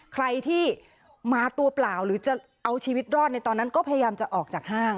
ใครที่มาตัวเปล่าหรือจะเอาชีวิตรอดในตอนนั้นก็พยายามจะออกจากห้าง